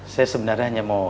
saya sebenarnya hanya mau